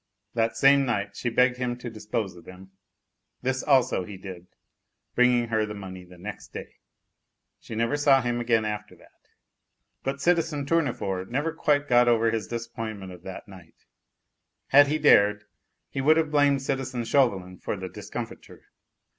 That same night she begged him to dispose of them. This also he did, bringing her the money the next day. She never saw him again after that. But citizen Tournefort never quite got over his disappointment of that night. Had he dared, he would have blamed citizen Chauvelin for the discomfiture.